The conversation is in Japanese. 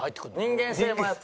人間性もやっぱ。